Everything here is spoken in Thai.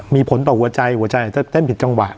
มีผลต่อหัวใจหัวใจเต้นผิดจังหวะ